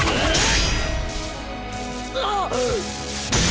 あっ！